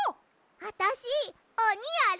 あたしおにやる！